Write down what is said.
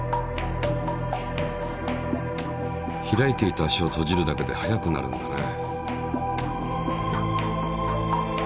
開いていた足を閉じるだけで速くなるんだね。